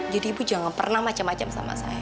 jadi ibu jangan pernah macem macem sama saya